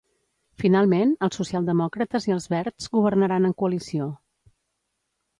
Finalment, els socialdemòcrates i els verds governaran en coalició.